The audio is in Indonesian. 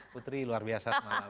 putri luar biasa